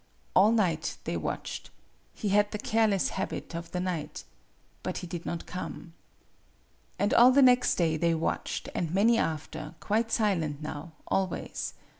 All night they watched. He had the careless habit of the night. But he did not come. And all the next day they watched, and many after, quite silent now, always.